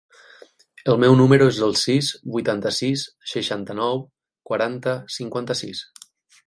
El meu número es el sis, vuitanta-sis, seixanta-nou, quaranta, cinquanta-sis.